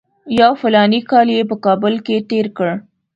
یو فلاني کال یې په کابل کې تېر کړ.